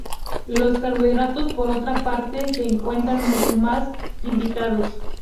Los carbohidratos, por otra parte, se encuentran mucho más hidratados.